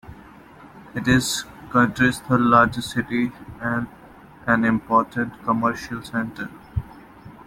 It is the country's third largest city, and an important commercial centre.